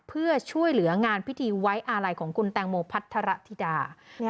เพื่อช่วยเหลืองานพิธีไว้อาลัยของคุณแตงโมพัทรธิดา